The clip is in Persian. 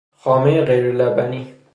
خامهی غیرلبنی